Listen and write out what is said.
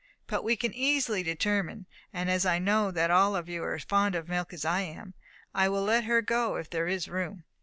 But we can easily determine; and as I know that all of you are as fond of milk as I am, I will let her go if there is room."